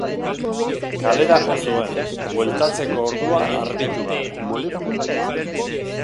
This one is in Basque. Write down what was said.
Kalera jo zuen, bueltatzeko ordua argitu gabe.